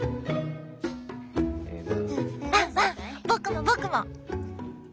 僕も僕も！